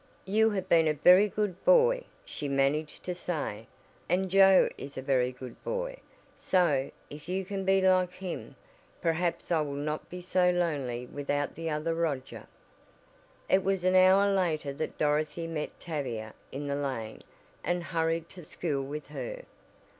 "You have been a very good boy," she managed to say, "and Joe is a very good boy, so, if you can be like him, perhaps I will not be so lonely without the other Roger." It was an hour later that Dorothy met Tavia in the lane and hurried to school with her.